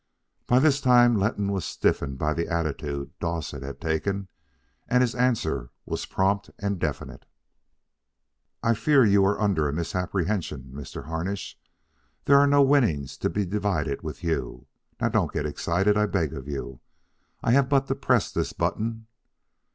By this time Letton was stiffened by the attitude Dowsett had taken, and his answer was prompt and definite. "I fear you are under a misapprehension, Mr. Harnish. There are no winnings to be divided with you. Now don't get excited, I beg of you. I have but to press this button..."